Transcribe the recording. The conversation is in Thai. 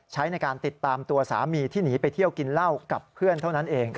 ใช้ในการติดตามตัวสามีที่หนีไปเที่ยวกินเหล้ากับเพื่อนเท่านั้นเอง